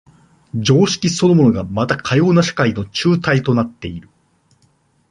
常識そのものがまたかような社会の紐帯となっている。